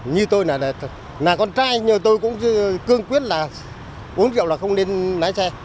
như tôi là con trai tôi cũng cương quyết uống rượu là không nên lái xe